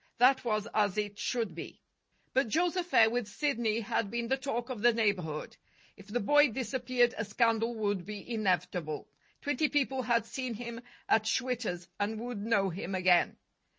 That was as it should be. But Joe's affair with Sidney had been the talk of the neighborhood. If the boy disappeared, a scandal would be inevitable. Twenty people had seen him at Schwitter's and would know him again.